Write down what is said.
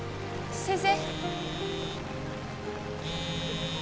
先生！